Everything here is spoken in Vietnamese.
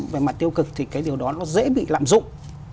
về mặt tiêu cực thì cái điều đó nó dễ bị lạm dụng